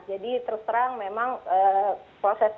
jadi terus terang memang proses prosesnya